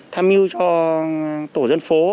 tham mưu cho tổ dân phố